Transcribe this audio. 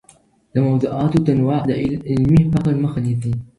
د موضوعاتو تنوع د علمي فقر مخه نيسي.